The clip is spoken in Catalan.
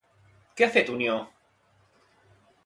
Què ha fet Unió?